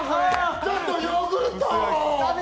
ちょっとヨーグルト！